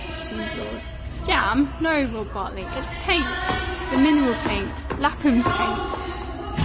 she implored. "Jam? No!" roared Bartley. "It's PAINT! It's mineral paint Lapham's paint!"